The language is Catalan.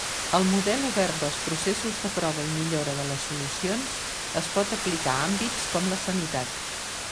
El model obert dels processos de prova i millora de les solucions es pot aplicar a àmbits com la sanitat.